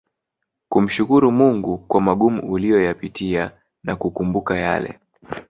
kumshukru Mungu kwa magumu uliyoyapitia na kukumbuka yale